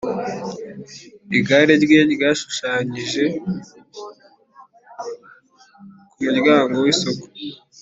igare rye ryashushanyije ku muryango w’isoko.